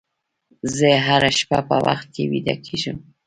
زه هره شپه په وخت ویده کېږم.